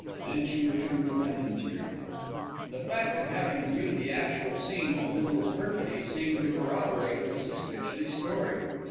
Then she returned to Fenton Street. The fact of having viewed the actual scene of Bindle's perfidy seemed to corroborate Mrs. Stitchley's story.